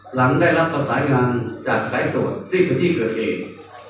หลังได้รับภาษางานจากสายโดดรีบกันที่เกิดเหตุ